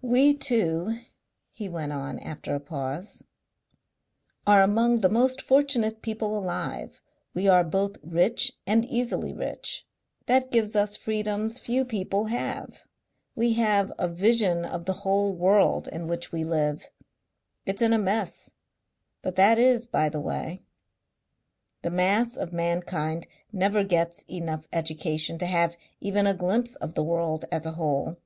"We two," he went on, after a pause, "are among the most fortunate people alive. We are both rich and easily rich. That gives us freedoms few people have. We have a vision of the whole world in which we live. It's in a mess but that is by the way. The mass of mankind never gets enough education to have even a glimpse of the world as a whole.